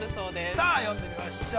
◆さあ呼んでみましょう。